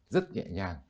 rất nhẹ nhàng